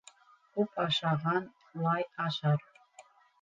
Күп ашаған лай ашар.